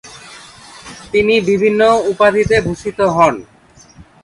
তিনি বিভিন্ন উপাধিতে ভূষিত হন।